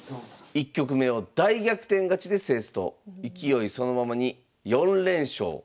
１局目を大逆転勝ちで制すと勢いそのままに４連勝。